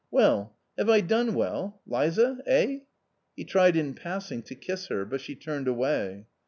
Well, have I done well ? Liza, eh ?" He tried, in passing, to kiss her, but she turned away.